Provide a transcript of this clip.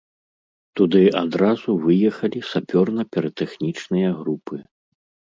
Туды адразу выехалі сапёрна-піратэхнічныя групы.